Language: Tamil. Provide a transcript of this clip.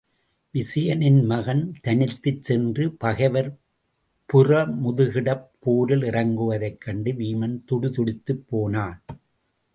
விசயனின் மகன் தனித்துச் சென்று பகைவர் புறமுதுகிடப் போரில் இறங்குவதைக் கண்டு வீமன் துடிதுடித்துப் போனான்.